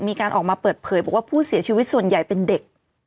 มีการออกมาเปิดเผยบอกว่าผู้เสียชีวิตส่วนใหญ่เป็นเด็ก